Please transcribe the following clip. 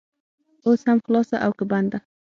اوس هم خلاصه او که بنده؟